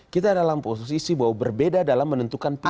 kita dalam posisi bahwa berbeda dalam menentukan pilihan